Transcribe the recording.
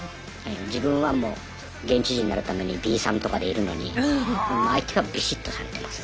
自分はもう現地人になるためにビーサンとかでいるのに相手はビシッとされてますね。